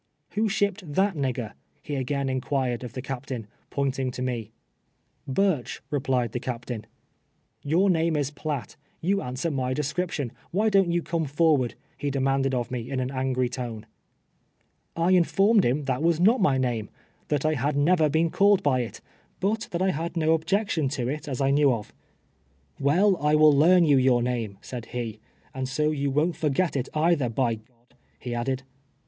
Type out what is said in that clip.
""Who shipped tJiat nigger?" he again inquired of the captain, pointing to me. " Burch," replied the captain. " Your name is Piatt — you answer mv description. Wliy don't you come forward ?" he demanded of me, in an angry tone. I informed him that was not mj name ; that I had never been called by it, but that I had no objection to it as I knew of " Well, I Avill learn you your name," said lie ;" and 60 you won't forget it either, by ," he added.